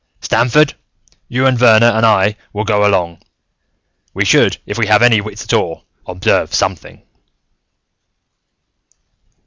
"Stamford, you and Verner and I will go along. We should, if we have any wits at all, observe something."